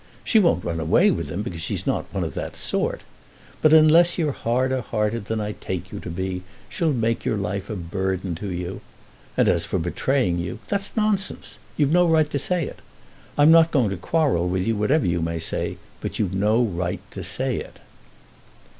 She won't run away with him, because she's not one of that sort; but unless you're harder hearted than I take you to be, she'll make your life a burden to you. And as for betraying you, that's nonsense. You've no right to say it. I'm not going to quarrel with you whatever you may say, but you've no right to say it." Mr.